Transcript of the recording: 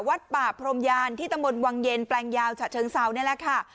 วัดป่าพรมยานที่ตำบลวังเย็นแปลงยาวฉะเชิงเซานี่แหละค่ะ